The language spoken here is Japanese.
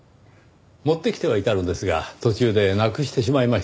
持ってきてはいたのですが途中でなくしてしまいましてねぇ。